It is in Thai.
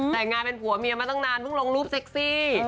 แต่งงานเป็นผัวเมียมาตั้งนานเพิ่งลงรูปเซ็กซี่